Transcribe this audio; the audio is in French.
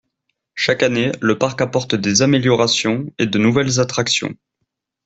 Chaque année, le parc apporte des améliorations et de nouvelles attractions.